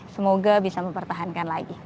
semoga bisa mempertahankan lagi